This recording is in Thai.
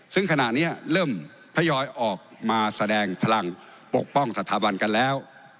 ซึ่งขณะนี้เริ่มทยอยออกมาแสดงพลังปกป้องสถาบันกันแล้ว